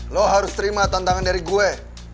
lo harus terima tantangan dari gue